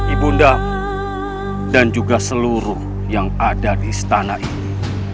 ibunda dan juga seluruh yang ada di istana ini